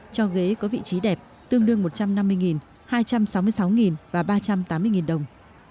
cho ghế có vị trí đẹp tương đương một trăm năm mươi hai trăm sáu mươi sáu và ba trăm tám mươi đồng